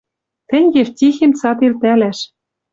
Тӹнь Евтихим цат элтӓлӓш